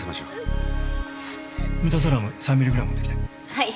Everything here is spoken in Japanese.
はい。